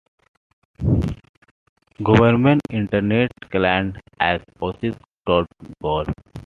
Government Internet clients as "osis dot gov".